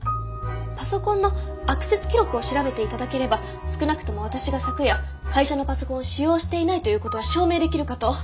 パソコンのアクセス記録を調べて頂ければ少なくとも私が昨夜会社のパソコンを使用していないということは証明できるかと。